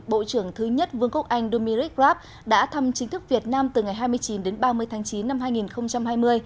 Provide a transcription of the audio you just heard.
bộ trưởng thứ nhất vương quốc anh dominiric raab đã thăm chính thức việt nam từ ngày hai mươi chín đến ba mươi tháng chín năm hai nghìn hai mươi